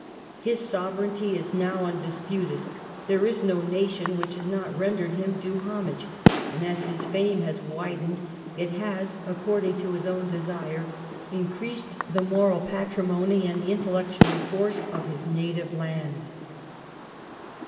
His sovereignty is now undisputed, there is no nation which has not rendered him due hom age, and, as his fame has widened, it has, ac cording to his own desire, increased the moral patrimony and the intellectual force of his na tive land.